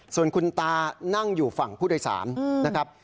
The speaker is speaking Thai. ส่วนคุณตานั่งอยู่ฝั่งผู้โดยสารนะครับ